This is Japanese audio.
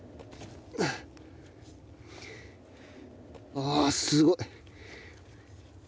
ああすごい。